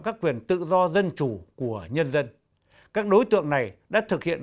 các quyền tự do dân chủ của nhân dân các đối tượng này đã thực hiện